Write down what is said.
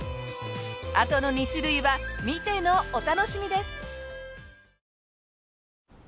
あとの２種類は見てのお楽しみです！